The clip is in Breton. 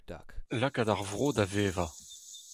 Lakaat ar vro da vevañ.